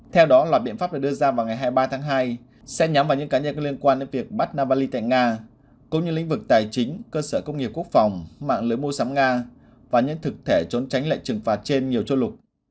theo đó loạt biện pháp được đưa ra vào ngày hai mươi ba tháng hai sẽ nhắm vào những cá nhân có liên quan đến việc bắt navali tại nga cũng như lĩnh vực tài chính cơ sở công nghiệp quốc phòng mạng lưới mua sắm nga và những thực thể trốn tránh lệnh trừng phạt trên nhiều châu lục